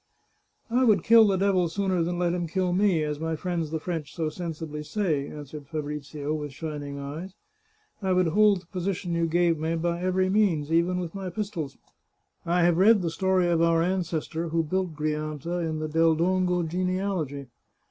" I would kill the devil sooner than let him kill me, as my friends the French so sensibly say," answered Fabrizio, with shining eyes. " I would hold the position you gave me by every means, even with my pistols. I have read the story of our ancestor, who built Grianta, in the Del Dongo Genealogy.